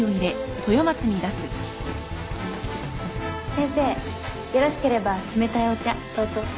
先生よろしければ冷たいお茶どうぞ